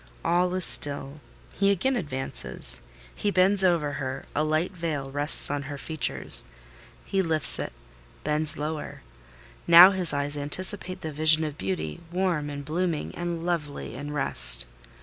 All is still: he again advances: he bends above her; a light veil rests on her features: he lifts it, bends lower; now his eyes anticipate the vision of beauty—warm, and blooming, and lovely, in rest.